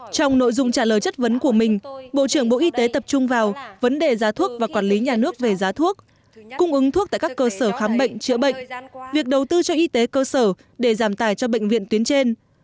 trong nội dung trả lời chất vấn của mình bộ trưởng bộ y tế tập trung vào vấn đề giá thuốc và quản lý nhà nước về giá thuốc cung ứng thuốc tại các cơ sở khám bệnh chữa bệnh việc đầu tư cho y tế cơ sở để giảm tài cho bệnh viện tuyến trên